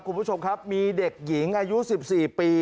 คุณผู้ชมครับมีเด็กหญิงอายุ๑๔ปี